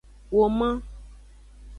Woman.